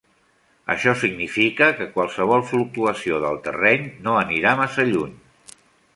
Això significa que qualsevol fluctuació del terreny no anirà massa lluny.